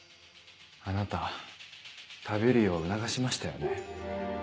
あなた食べるよう促しましたよね？